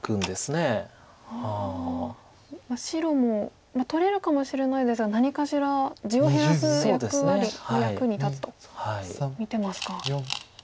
白も取れるかもしれないですが何かしら地を減らす役に立つと見てますか。